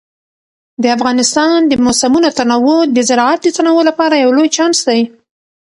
د افغانستان د موسمونو تنوع د زراعت د تنوع لپاره یو لوی چانس دی.